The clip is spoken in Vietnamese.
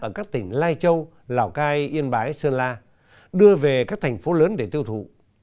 ở các tỉnh lai châu lào cai yên bái sơn la đưa về các thành phố lớn để tiêu thụ